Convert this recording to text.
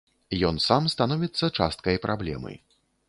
Ён сам становіцца часткай праблемы.